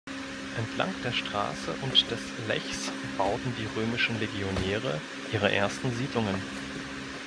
Entlang der Straße und des Lechs bauten die römischen Legionäre ihre ersten Siedlungen.